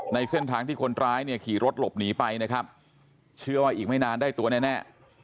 ในเส้นทางที่คนร้ายเนี่ยขี่รถหลบหนีไปนะครับเชื่อว่าอีกไม่นานได้ตัวแน่